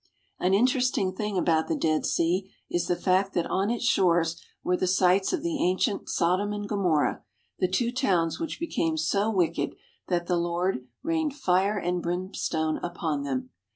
An interesting thing about the Dead Sea is the fact that on its shores were the sites of the ancient Sodom and Gomorrah, the two towns which became so wicked that the Lord rained fire and brimstone upon them.